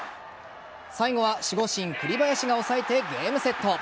最後は守護神・栗林が抑えてゲームセット。